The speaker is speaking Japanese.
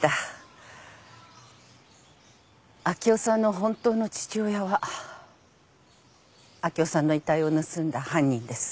明生さんの本当の父親は明生さんの遺体を盗んだ犯人です。